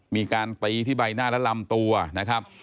มีการตีที่ใบหน้าและลำตัวนะครับ